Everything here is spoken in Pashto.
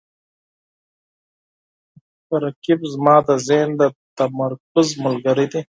رقیب زما د ذهن د تمرکز ملګری دی